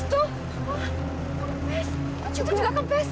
itu juga kempes